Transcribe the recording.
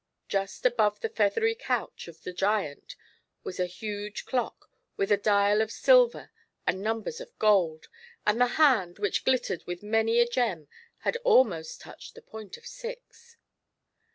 Just above the feathery couch of the giant was a huge clock, with a dial of silver and numbers of gold, and the hand, which glittered with many a gem, had almost touched the point of six.